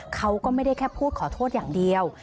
เขาก็ไม่ได้แค่พูดขอโทษอย่างเดียว